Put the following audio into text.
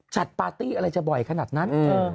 ปาร์ตี้อะไรจะบ่อยขนาดนั้น